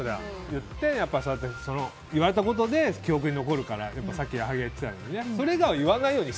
言って、言われたことで記憶に残るからさっき矢作が言っていたように。